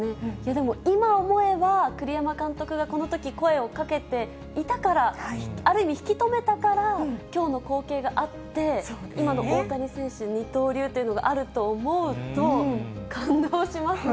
でも今思えば、栗山監督がこのとき声をかけていたから、ある意味、引き留めたから、きょうの光景があって、今の大谷選手の二刀流というのがあると思うと、感動しますね。